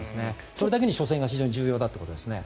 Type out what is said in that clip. それだけに初戦が重要だということですね。